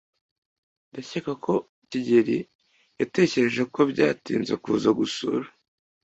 Ndakeka ko kigeli yatekereje ko byatinze kuza gusura.